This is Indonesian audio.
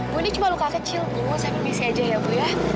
bu ini cuma luka kecil bu smp aja ya bu ya